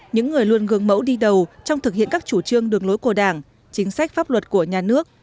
những người luôn gương mẫu đi đầu trong thực hiện các chủ trương đường lối của đảng chính sách pháp luật của nhà nước